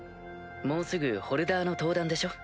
もうすぐホルダーの登壇でしょ？